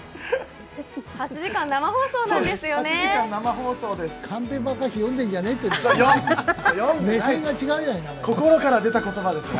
８時間生放送なんですよね。